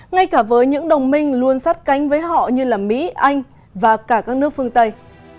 ngay cả với những đồng minh luôn sát cánh với họ như mỹ anh và cả các nước phương tây